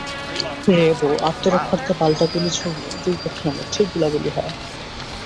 র্যাবও আত্মরক্ষার্থে পাল্টা গুলি ছুড়লে দুই পক্ষের মধ্যে গোলাগুলি হয়।